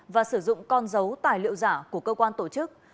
và sử dụng con dấu tài liệu giả của cơ quan tổ chức